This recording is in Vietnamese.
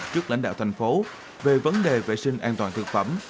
trước lãnh đạo tp hcm về vấn đề vệ sinh an toàn thực phẩm